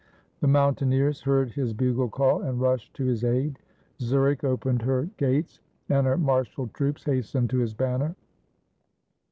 The mountaineers heard his bugle call and rushed to his aid. Zurich opened her gates, and her marshaled troops hastened to his banner.